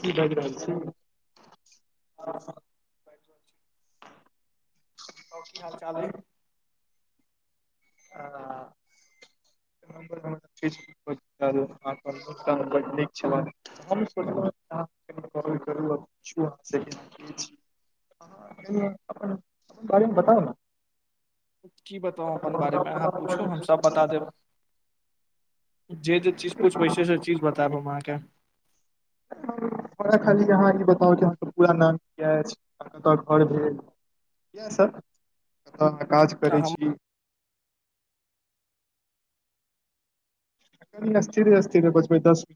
की बाजि रहल छी। बताउ की हाल चाल आ अइ [inaudible] आ [inaudible] कि बताउ अपन बारेमे अहाँ पुछू हम सब बता देब जे जे चीज पूछबै से से चीज बताब हम अहाँके हमरा खाली अहाँ ई बताउ कि हमके पूरा नाम किया अछि आ कतय घर भेल इएह सब। हँ ह काज आ करै हम छी कनि स्थिरे स्थिरे बजबै दस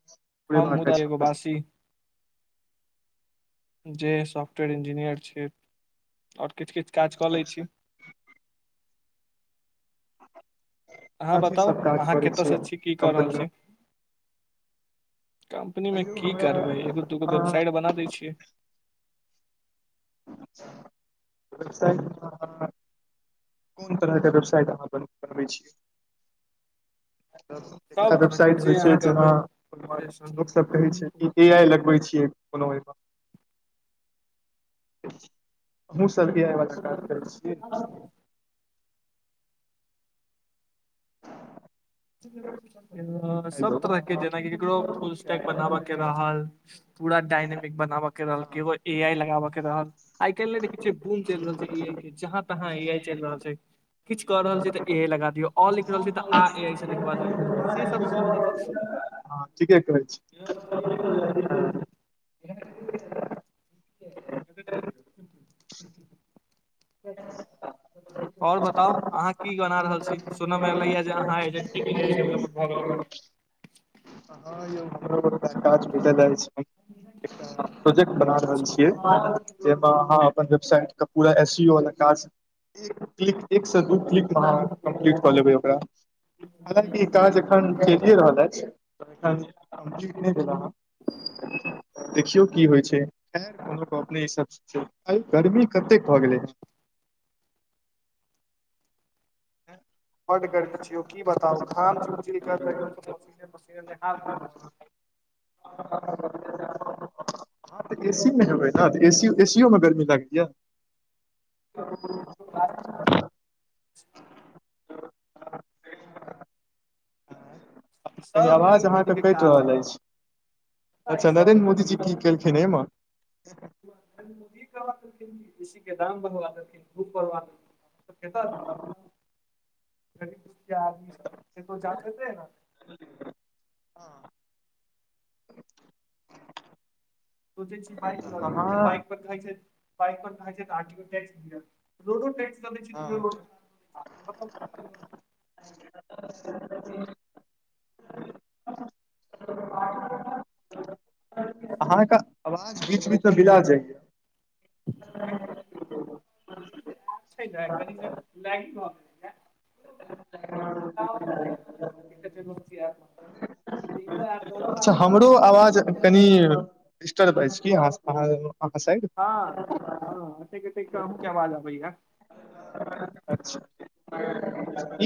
हम पूरेबाक मुदा अछि एगो हमरा वासी जे सॉफ्टवेर इंजीनियर छै। किछ किछ काज कऽ लै छी अहाँ कथी बताउ सब काज अहाँ करै छियै कतयसँ छी की कऽ रहल कम्पनीमे छी कम्पनीमे कहियौ की हमरा करबै एगो दूगो अहाँ वेबसाइट बना दै छियै। वेबसाइटमे अहाँ कोन तरहके वेबसाइट अहाँ बन बनबै छियै सब एकटा तरह के वेबसाइट जे होइ छै अहाँ जेना कहबै से लोकसभ कहै छै सब कि ए आइ लगबै छियै कोनोप [inaudible] ह [inaudible] सब भ ब करै छियै [inaudible] [inaudible] हँ सब हेलो तरह के जेनाकि ककरो फूस टाईप बनाबे के रहल पूरा डायनेमिक बनाबे के रहल केबल ए आई लगाबे के रहल आई काल् ने देखे छिय बूम चल रहल छै ए आई के जहाँ तहाँ ए आई चल रहल छै किछ क रहल छी तऽ ए आई लगा दियो अ लिख रहल छी त आ ए आई सँ देखिबा दियौ से सब सभ रंग हँ ठीके कहै छी आओर बताउ अहाँ की गना रहल छी सुनय मे एलैह या जे अहाँ डेवलेपर भऽ गेलहुँ हन हँ यौ हमरो काज भेटैत अछि प्रोजेक्ट बना रहल किछु छियै जेमे अहाँ वेबसाइट के पूरा एसीओ वला काज एक क्लिक एक सँ दु क्लिक मे कम्प्लीट कऽ लेबै ओकरा हालाँकि ई काज अखन चलिए रहल अछि देल [inaudible] [inaudible] देखियौ की होइ छै खै लोक अपने हिंसाब सँ चलि गरमी कतेक भऽ गेलै हद गर्मी छै यौ की बताउ घाम चुब चुब क एकदम पसीने पसीने नेहा आ [inaudible] [inaudible] अहाँ तऽ एसी मे हेबै ने एसीयौ मे गर्मी लागैया [inaudible] ई कनि सब आवाज नरेन्द्र मोदी अहाँके के कटि काज है रहल अछि ई अच्छा सब नरेन्द्र मोदीजी मोदी के की काज है केलखिन एहिमे नरेन्द्र मोदी करबा ए सी के दाम बढ़वा देलखिन खुब बढ़वा त कता [inaudible] अ [inaudible] काय आदमी छल ककरो जाँच भेलै हन [inaudible] सोचे छी बाईक लअ ली अहाँ फेर बाईक पर कहै छै बाईक पर कहै छै आर टी ओ रोडो टेक्स ै म की हँ कर [inaudible] [inaudible] अहाँके आवाज बीच बीच मे बिला जाइया की करबै ई जे छै न कनि कनि लागि कं ई तअ [inaudible] हु [inaudible] अच्छा हमरो आवाज कनि डिस्टरब अछि की अहाँ सँ - हँ हँ एते एते कम आवाज अबयया अच्छा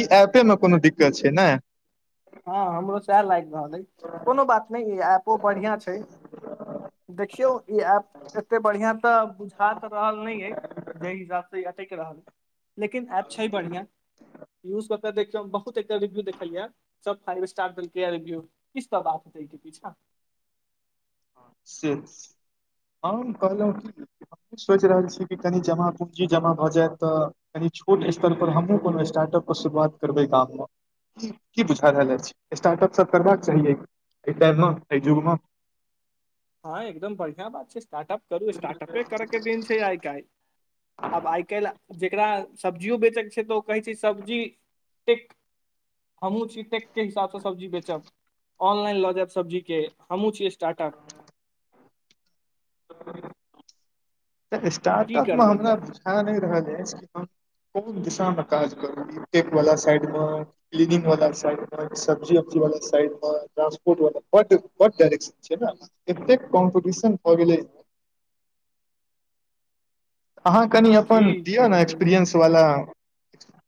ई एप्पे मे कोनो दिक्कत छै ने हँ हमरो सएह लागि रहल अइ कोनो बात नहि ई ऐपो बढ़िआँ छै देखियौ ई ऐप एते बढ़िआ तअ बुझा तऽ रहल नहि अइ जाहि हिसाबसँ ई अटैक रहल लेकिन ऐप छै बढ़िआँ यूज कअ कऽ देखियौ बहुत एकर रिव्यू देखलियै या सब फाइव स्टार देलकै या रिव्यू किछ त बात छै पीछाँ से हम कहलहुँ कि हम सोचि रहल छी कि कनि जमा पूँजी जमा भऽ जैत तऽ कनि छोट स्तरपर हमहूँ कोनो स्टार्टअप के शुरुआत करबै गाममे की बुझा रहल अछि स्टार्टअप सभ करबाक चाहि एहि टाइममे एहि युगमे हँ एकदम बढ़िआँ बात छै स्टार्टअप करू स्टार्टअपे करैके दिन छै आइ काल्हि आब आय काईल जे सब्जियो बेचै छै तऽ ओ कहै छै सब्जी टेक हमूँ छी टेक के हिसाबसँ- सब्जी बेचब ऑनलाइन लऽ जायब सब्जी के हमहुँ छी स्टार्टप तऽ की स्टार्टअपमे करबै हमरा तऽ बुझा नहि रहल अछि कोन दिशामे काज करू ई टेकवला साइडमे क्लीनिंगवला साइडमे सब्जी उब्जीवला साइडमे ट्रांसपोर्टवला बड बड्ड डाायरेक्शन छै ने एतेक कॉम्पटिशन भऽ गेलै अहाँ कनि की अपन दिय ने करबै हम एक्सपीरएंस वाला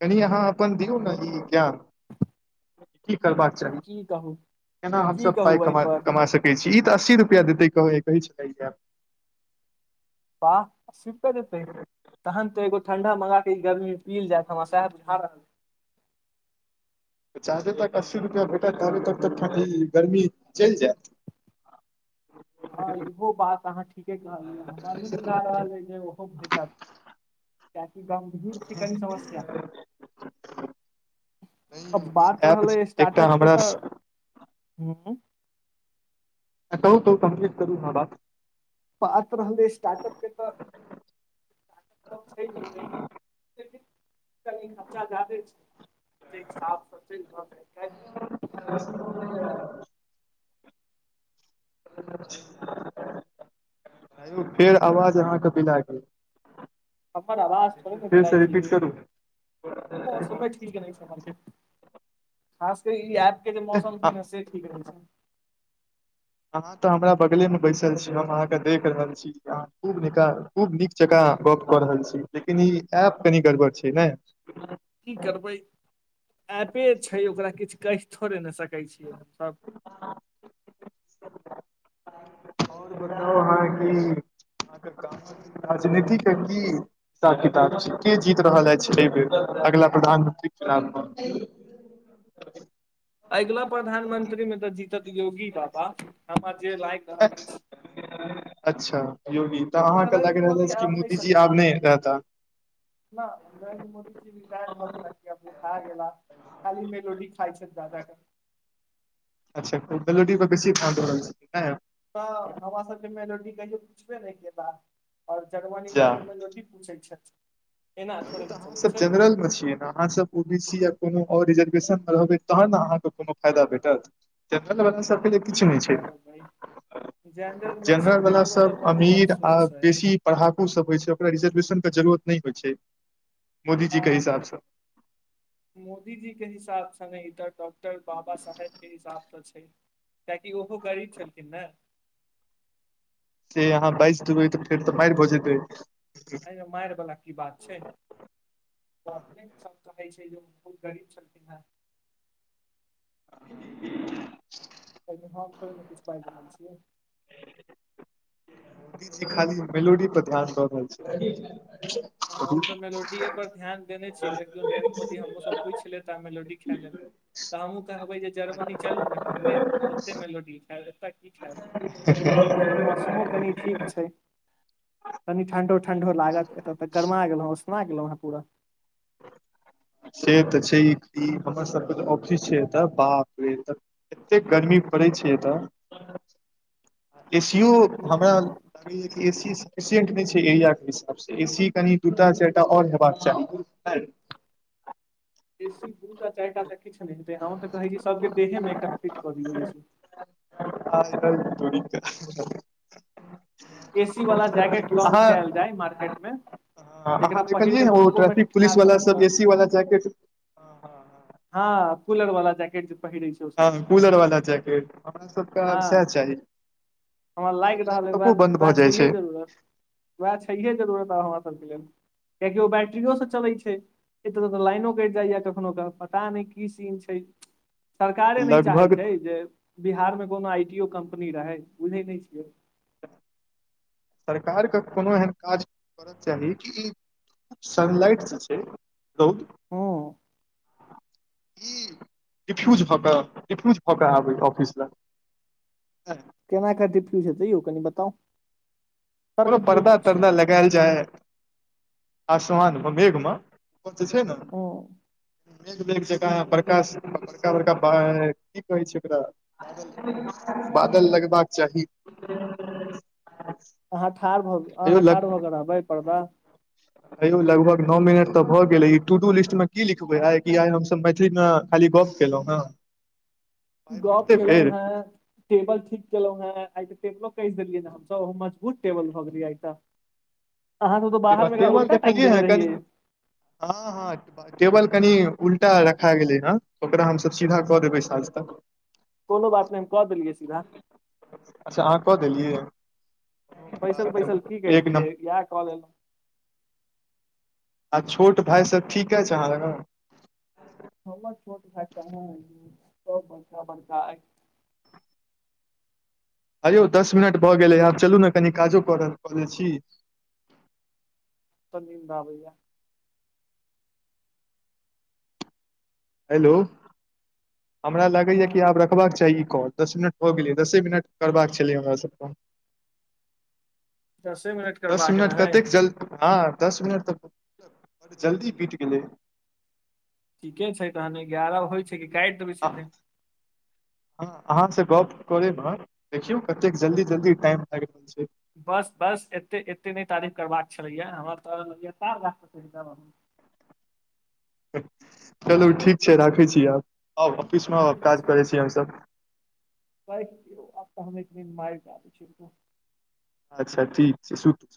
कनी अहाँ अपन अपन दियौ ने ई ज्ञान की करबाक चाही की कहू केना की हमसभ पाइ कहू कमा एहिपर कमा सकैत छी ई तऽ अस्सी रुपैआ देतै कहै कहै छलाह आय आयब वाह कर देतै तहन त एगो ठंडा मंगा क ई गर्मी मे पीयल जायत हमरा साए बुझा रहल जा धरि तक अस्सी रुपआ भेटत ताबे तक ठंढी ई गर्मी चलि जायत हँ इहो बात अहाँ ठीके कहलियै हमरा नहि बुझा रहल अइ जे ओहो भेटत गमभीर छै कनि समस्या नहि अब यौ बात ई ऐप रहलै एकटा स्टार्टअप के हमरा तऽ हूँ ह अंय कहु कहु कम्प्लीट करू अहाँ बात बात रहलै स्टार्टअप के तऽ छै कनि खर्चा जादे छै जतेक साफ जतेक भऽइ सकैय आँ यौ फेर आवाज अहाँके बिला गेल हमर आाज थोड़े ने बिलाए फेरसँ छै रिपीट यौ करू मौसम ठीक नहि छै अहाँ के खास क ई एप्प के जे मौसम छैै न से ठीक नहिं छै अहाँ तऽ हमरा बगलेमे बैसल छी हम अहाँकेँ देख रहल छी अहाँ खूब नीक खूब नीक जकाँ गप्प कऽ रहल छी लेकिन ई ऐप कनि गड़बड़ छै ने की करबै एप्पे छै ओकरा किछु कहि थोड़े नहि सकै छियै सब आओर बताउ अहाँ के की राजनीतिक के की हिसाब किताब छै के जीत रहल अछि एहि बेर अगिल प्रधानमंत्री चुनाव मे अगिला प्रधानमंत्री मे तऽ जीतत योगी बाबा हमर अच्छा योगी तऽ अहाँके नरेन्द्र लागि रहल मोदी अछि कि आब नहि मोदीजी सकता आब नहि रहता न नरेन्द्र मोदी जी रिटार भ गेलाह किया त - खा गेला खाली मेलोडी खाइ छैथि जा जा कं अच्छा मेलोडी पर बेसी ध्यान दअ रहल छथिन नै तं हमरा सब कें मेलोडी कहियौ पूछबे नहिं केलाह आओर जर्मनी जा कए मेलोडी पूछै छथि एना थोड़े तऽ ने अहाँ चलै सब छै जनरल मे छियै ने अहाँ सब ओबी सी या कोनो आओर रिजर्वेशन मे रहबै तहन ने अहाँके कोनो फायदा भेटत जेनरल वला सब सब कें लेल की किछु नहि छै करबै जेनरल मे छी जनरल वला तकरो तऽ सब बहुत अमीर आ अफसोस है बेसी पढ़ाकू सब होइ छै ओकरा रिजर्वेशन के जरूरत नहि होई छै मोदीजी के हँ हिसाबसँ मोदी जी के हिसाबसँ नहि क [inaudible] डॉक्टर बाबा साहेब के हिसाबसँऽ छै कएाकि ओहो गरीब छलखिन ने आहाँ बाजि देबै तऽ फेर तऽ मारि भऽ जेतै एमे मारि बला की बात छै ओ अपने सब कहै छै बहुत गरीब छलखिन न [inaudible] एहि हम थोड़े ने किछु बाजि रहल छियै मोदी जी खाली मेेलोडी पर ध्यान द रहल छै हम तऽ मेलोडीए पर ध्यान देने छी देखियो नरेन्द्र मोदी हमरो सँ पूछि लेताह मेलोडी के तऽ हमहूँ कहबै जे जर्मनी चलू ने पहिले ओते न मेलोडी खायब तची छै [inaudible] अचछा [inaudible] [inaudible] ठीक छै कनि ठंडो ठंडो लागत एत त गर्मा गेलोँ उसना गेलहुँ हेँ पूरा से त छै ई ई कि हमर सभके जे ऑफिस छै एतय बाप रे एतेक गर्मी पड़ै छै एतय एसीओ की हमरा करबै लागे या कि ए सी एसिंट नहि छै एरिया के हिसाबसे ए सी कनि दूटा चारि टा आओर हेबाक चाही [inaudible] एसी दू टा चारि टाँ किछु नहि हेतै हमँ त कहैत छी सभके देहेमे एकटा फिट क दियौ एसी आ जड़ [unintelligible] एसी वाला जैकेट लॉन्च अहाँ कयल जाय मार्केट मे अहाँ जेकरा पहिर के देखलियै ओ धूपो मे ट्रैफिक पुलिस ठाढ़ वाला रहब सब तऽ एसी वाला जैकेट हाँ हाँ हाँ हाँ कूलर वाला जैकेट पहिरै छै ओ सभ हँ कूलर वाला जैकेट हमरा सबके आब सएह हाँ चाही हमरा आइयो लागि रहल उह लैपटॉपो बन्द भऽ जाइ छै उह जरूरत उह छैहे जरूरत हमरा सभकें लेल किया कि ओ बैटरियोसे चलै छै एत त लाइनो कटि जाइए कखनो क पता नहि की सीन छै सरकारे नहि लगभग चाहैत छै जे बिहार मे कोनो आईटी यो कम्पनी रहै बुझै नहि छियै सरकारकें कोनो एहन काज करअ चाही कि सनलाइट जे छै रौद हँ की रिफ्यूज भ क रिफ्यूज भ क आबै ऑफिस लंग केना क डिफ्यूज़ हेतै यौ कनि बताउ कोनो तर्क दियौ पर्दा किछु तर्दा लगायल जाय आसमान मे मेघ मे ओ त छै ने हँ मेघ मेघ जंका बड़का बड़का बड़का बाहिर की कहै छै ओकरा बादल लगबाक चाहि अहाँ ठाढ़ भ अहाँ ठाढ़ भ क रहबै पर्दा हेयौ लगभग नओ मिनट त भ गेलै ई टू टू लिस्टमे की लिखबै आइ कि आइ हमसभ मैथिलीमे खाली मे गप केलहुॅं हन गप केलहुॅं हैं टेबल ठीक केलहुॅं हैं आइ टेबलो कसि देलियै न हम सभ ओ मजबुत टेबल भ गेले आइ त टेबल देखलियै हँ कनि हाँ हाँ टेबल कनि उल्टा रखा गेलै हाँ ओकरा हम सब सीधा क देबै साँझ तक कोनो बात नहि हम क देलियै सीधा अच्छा अहाँ क देलियै बैसल बैसल की एक करतियै नम्बर इएह क लेलहुँ आ छोट भााय सब ठीक अछि अहाँ लंग हमर छोट भाइ कहां अइ सब बड़का बड़का अई हे यौ दस मिनट भ गेलै आब चलू ने कनि काजो क लै छी त नीन्द आबैया हेलो हमरा लागै या हँ कि आब रखबाक चाही क दस मिनट भ गेलै दसे मिनट करबाक छलै हमरा सबके दसे मिनट दस करबाक मिनट रहै कतेक जल्दी हँ दस मिनट तऽ जल्दी बीत गेलै ठीके छै तहन एगारह होइ छै काटि देबै आ- सीधे हँ अहाँ से गप करे मे देखियौ कतेक जल्दी जल्दी टाइम भागि रहल छै बस बस एतेक एतेक नहि तारीफ करबाक छलैए या हमरा तऽ लगातार - [inaudible] हँ चलू ठीक छै राखै छी आब आउ ऑफिसमे आउ काज करै छी हमसभ राखि दियौ आब तऽ हम एक नींद मारि क आबै छी त अच्छा ठीक छै सुतू